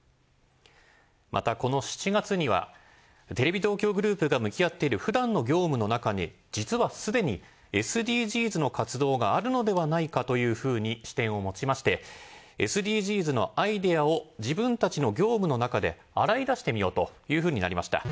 またこの７月にはテレビ東京グループが向き合っているふだんの業務の中に実はすでにＳＤＧｓの活動があるのではないかというふうに視点を持ちましてＳＤＧｓのアイデアを自分たちの業務の中で洗い出してみようというふうになりました。